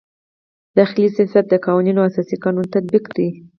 داخلي سیاست د قوانینو او اساسي قانون تطبیق دی.